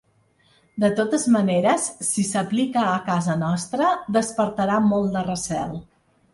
De totes maneres, si s’aplica a casa nostra, despertarà molt de recel.